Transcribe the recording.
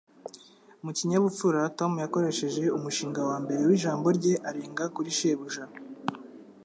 Mu kinyabupfura, Tom yakoresheje umushinga wa mbere w'ijambo rye arenga kuri shebuja.